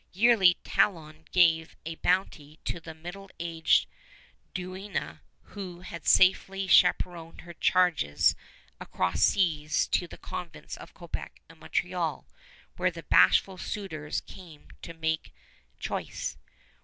Yearly Talon gave a bounty to the middle aged duenna who had safely chaperoned her charges across seas to the convents of Quebec and Montreal, where the bashful suitors came to make choice.